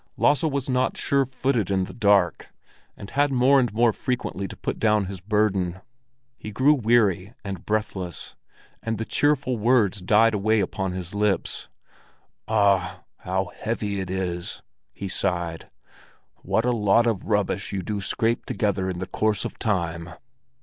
Lasse was not sure footed in the dark, and had more and more frequently to put down his burden. He grew weary and breathless, and the cheerful words died away upon his lips. "Ah, how heavy it is!" he sighed. "What a lot of rubbish you do scrape together in the course of time!"